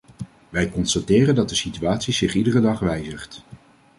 Wij constateren dat de situatie zich iedere dag wijzigt.